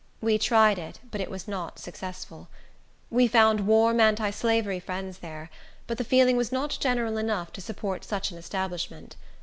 We tried it, but it was not successful. We found warm anti slavery friends there, but the feeling was not general enough to support such an establishment.